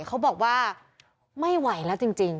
เขาบอกว่าไม่ไหวแล้วจริง